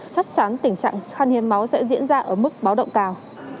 chắc chắn tình trạng khăn hiếm máu sẽ diễn ra ở mức báo động cao